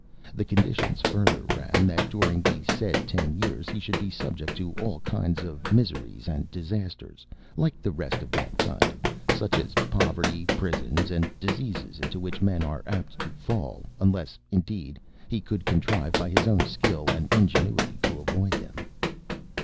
The conditions further ran, that during the said ten years he should be subject to all kinds of miseries and disasters, like the rest of mankind, such as poverty, prisons, and diseases into which men are apt to fall, unless, indeed, he could contrive by his own skill and ingenuity to avoid them.